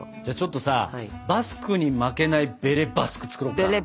じゃあちょっとさバスクに負けないベレ・バスク作ろうか。